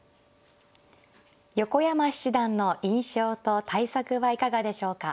横山七段の印象と対策はいかがでしょうか。